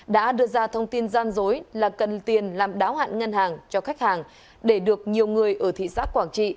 đã đưa ra thông tin gian dối là cần tiền làm đáo hạn ngân hàng cho khách hàng để được nhiều người ở thị xã quảng trị